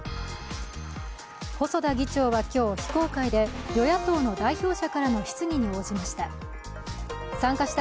細田議長は今日、非公開で与野党の代表者からの質疑に応じました。